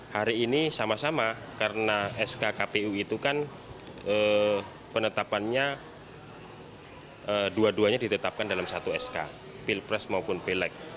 hari ini sama sama karena sk kpu itu kan penetapannya dua duanya ditetapkan dalam satu sk pilpres maupun pileg